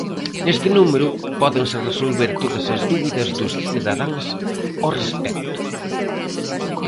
Neste número, pódense resolver todas as dúbidas dos cidadáns ao respecto.